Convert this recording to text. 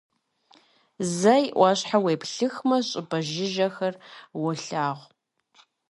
Зэй ӏуащхьэ уеплъыхмэ, щӏыпӏэ жыжьэхэр уолъагъу.